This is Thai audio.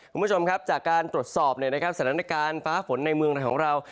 คุณผู้ชมครับจากการตรวจสอบสถานการณ์ฟ้าฝนในเมืองไทยของเรา